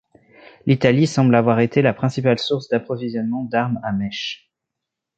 L'Italie semble avoir été la principale source d'approvisionnement d'armes à mèche.